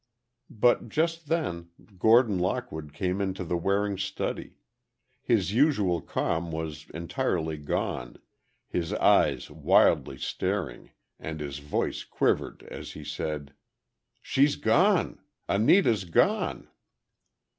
But just then, Gordon Lockwood came into the Waring study. His usual calm was entirely gone, his eyes wildly staring and his voice quivered as he said, "She's gone! Anita's gone!"